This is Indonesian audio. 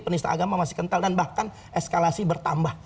penista agama masih kental dan bahkan eskalasi bertambah